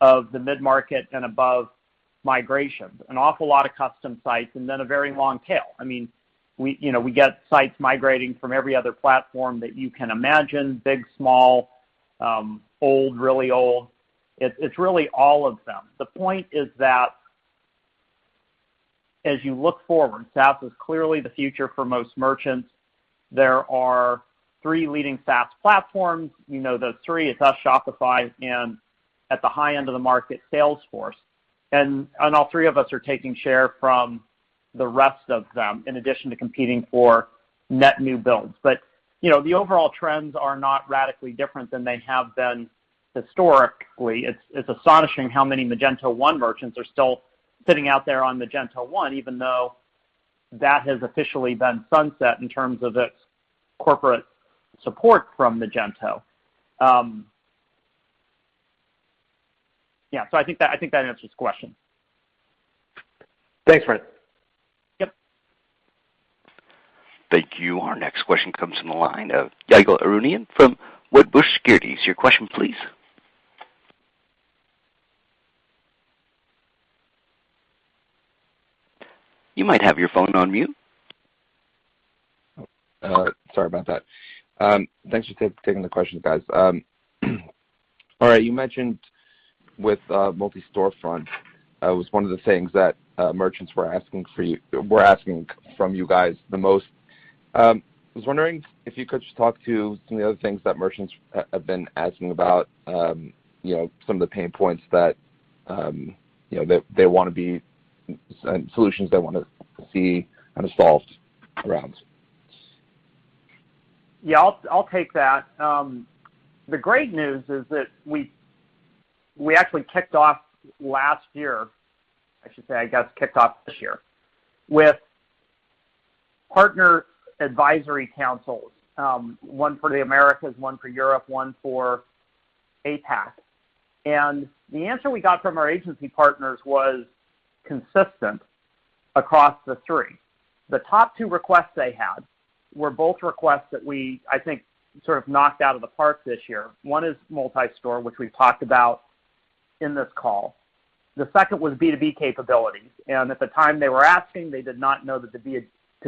of the mid-market and above migrations. An awful lot of custom sites, and then a very long tail. I mean, we get sites migrating from every other platform that you can imagine, big, small, old, really old. It's really all of them. The point is that as you look forward, SaaS is clearly the future for most merchants. There are three leading SaaS platforms. You know those three. It's us, Shopify, and at the high end of the market, Salesforce. All three of us are taking share from the rest of them, in addition to competing for net new builds. You know, the overall trends are not radically different than they have been historically. It's astonishing how many Magento 1 merchants are still sitting out there on Magento 1, even though that has officially been sunset in terms of its corporate support from Magento. I think that answers the question. Thanks, Brent. Yep. Thank you. Our next question comes from the line of Ygal Arounian from Wedbush Securities. Your question, please. You might have your phone on mute. Sorry about that. Thanks for taking the questions, guys. All right, you mentioned with Multi-Storefront was one of the things that merchants were asking from you guys the most. I was wondering if you could just talk to some of the other things that merchants have been asking about, you know, some of the pain points that, you know, they wanna be solutions they wanna see kind of solved around. I'll take that. The great news is that we actually kicked off this year with partner advisory councils, one for the Americas, one for Europe, one for APAC. The answer we got from our agency partners was consistent across the three. The top two requests they had were both requests that we, I think, sort of knocked out of the park this year. One is Multi-Storefront, which we talked about in this call. The second was B2B capabilities, and at the time they were asking, they did not know that the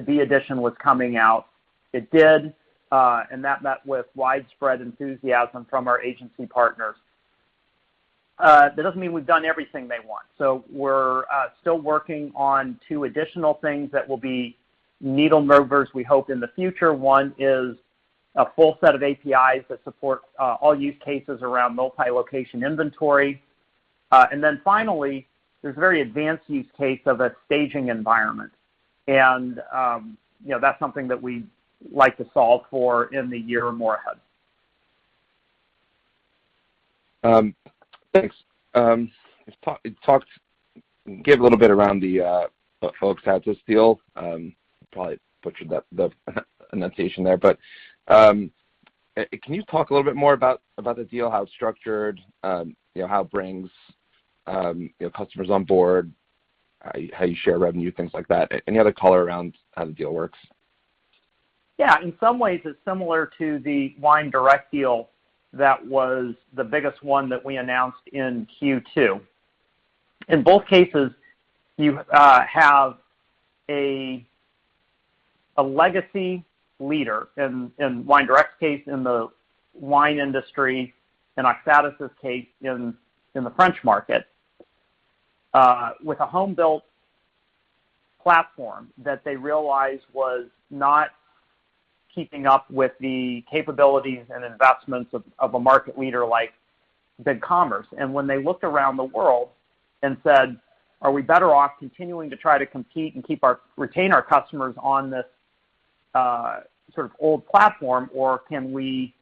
B2B Edition was coming out. It did, and that met with widespread enthusiasm from our agency partners. That doesn't mean we've done everything they want. We're still working on two additional things that will be needle movers, we hope, in the future. One is a full set of APIs that support all use cases around multi-location inventory. Finally, there's a very advanced use case of a staging environment. You know, that's something that we'd like to solve for in the year or more ahead. Thanks. You talked, gave a little bit around the [old] status deal, probably butchered that, the annotation there, but can you talk a little bit more about the deal, how it's structured, you know, how it brings you know, customers on board, how you share revenue, things like that? Any other color around how the deal works? Yeah. In some ways, it's similar to the WineDirect deal that was the biggest one that we announced in Q2. In both cases, you have a legacy leader, in WineDirect's case, in the wine industry, in NewOxatis' case, in the French market, with a home-built platform that they realized was not keeping up with the capabilities and investments of a market leader like BigCommerce. When they looked around the world and said, are we better off continuing to try to compete and retain our customers on this sort of old platform, or can we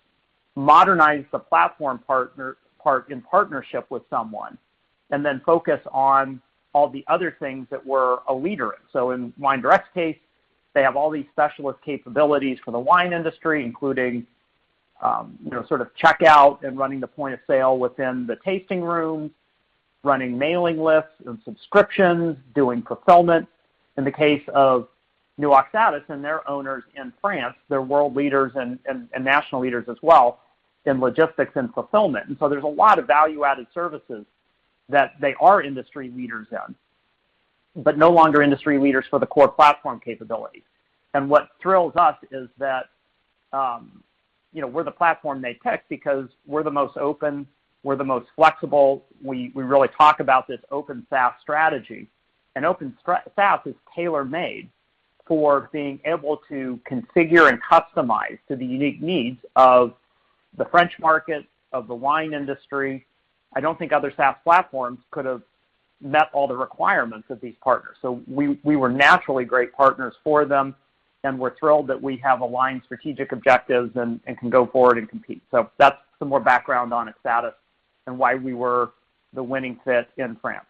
modernize the platform partner, part in partnership with someone, and then focus on all the other things that we're a leader. In WineDirect's case, they have all these specialist capabilities for the wine industry, including sort of checkout and running the point of sale within the tasting room, running mailing lists and subscriptions, doing fulfillment. In the case of NewOxatis and their owners in France, they're world leaders and national leaders as well in logistics and fulfillment. There's a lot of value-added services that they are industry leaders in. No longer industry leaders for the core platform capabilities. What thrills us is that, you know, we're the platform they text because we're the most open, we're the most flexible. We really talk about this Open SaaS strategy. Open SaaS is tailor-made for being able to configure and customize to the unique needs of the French market, of the wine industry. I don't think other SaaS platforms could have met all the requirements of these partners. We were naturally great partners for them, and we're thrilled that we have aligned strategic objectives and can go forward and compete. That's some more background on its status and why we were the winning fit in France.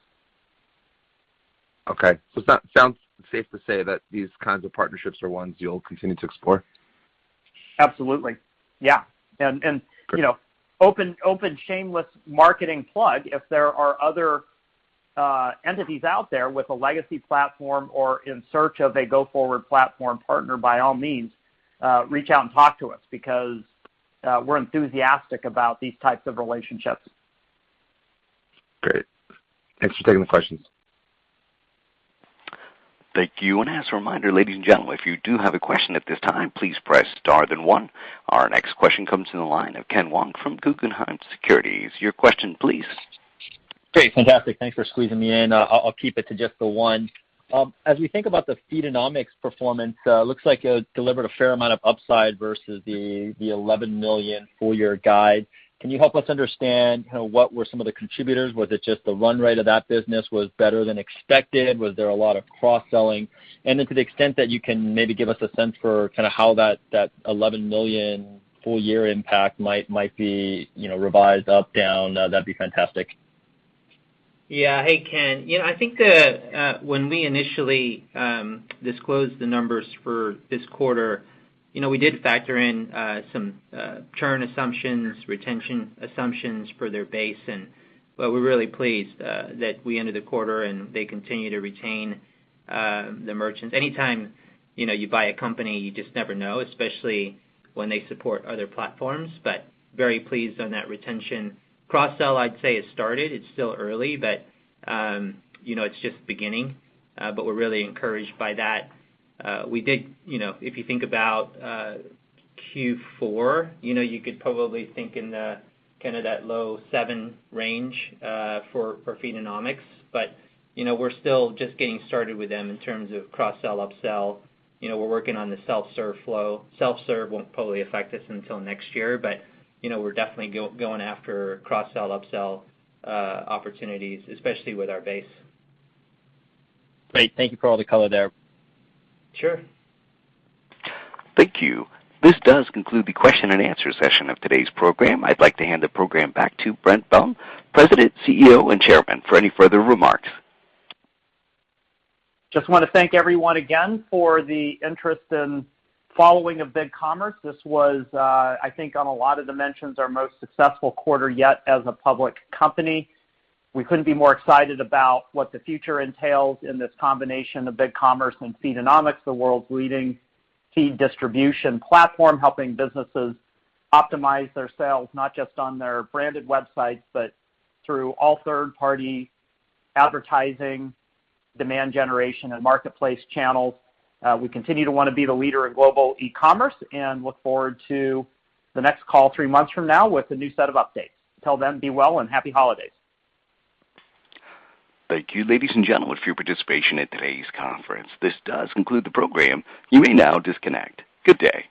Sounds safe to say that these kinds of partnerships are ones you'll continue to explore? Absolutely. Yeah. And you know, open shameless marketing plug, if there are other entities out there with a legacy platform or in search of a go-forward platform partner, by all means, reach out and talk to us because we're enthusiastic about these types of relationships. Great. Thanks for taking the questions. Thank you. As a reminder, ladies and gentlemen, if you do have a question at this time, please press star then one. Our next question comes in the line of Ken Wong from Guggenheim Securities. Your question please. Great. Fantastic. Thanks for squeezing me in. I'll keep it to just the one. As we think about the Feedonomics performance, looks like it delivered a fair amount of upside versus the $11 million full year guide. Can you help us understand what were some of the contributors? Was it just the run rate of that business was better than expected? Was there a lot of cross-selling? And then to the extent that you can maybe give us a sense for kinda how that $11 million full year impact might be, you know, revised up, down, that'd be fantastic. Hey, Ken. You know, I think when we initially disclosed the numbers for this quarter, you know, we did factor in some churn assumptions, retention assumptions for their base. We're really pleased that we ended the quarter and they continue to retain the merchants. Anytime, you know, you buy a company, you just never know, especially when they support other platforms. Very pleased on that retention. Cross-sell, I'd say it started. It's still early, but you know, it's just beginning, but we're really encouraged by that. We did, you know, if you think about Q4, you know, you could probably think in the kinda that low seven range for Feedonomics. You know, we're still just getting started with them in terms of cross-sell, up-sell. You know, we're working on the self-serve flow. Self-serve won't probably affect us until next year. You know, we're definitely going after cross-sell, up-sell, opportunities, especially with our base. Great. Thank you for all the color there. Sure. Thank you. This does conclude the question and answer session of today's program. I'd like to hand the program back to Brent Bellm, President, CEO, and Chairman, for any further remarks. Just wanna thank everyone again for the interest in following of BigCommerce. This was, I think on a lot of dimensions, our most successful quarter yet as a public company. We couldn't be more excited about what the future entails in this combination of BigCommerce and Feedonomics, the world's leading key distribution platform, helping businesses optimize their sales, not just on their branded websites, but through all third-party advertising, demand generation and marketplace channels. We continue to wanna be the leader in global e-commerce and look forward to the next call three months from now with a new set of updates. Until then, be well and happy holidays. Thank you, ladies and gentlemen, for your participation in today's conference. This does conclude the program. You may now disconnect. Good day.